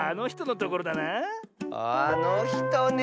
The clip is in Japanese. あのひとね！